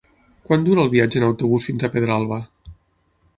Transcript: Quant dura el viatge en autobús fins a Pedralba?